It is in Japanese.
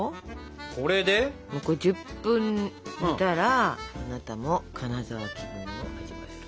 １０分煮たらあなたも金沢気分を味わえる。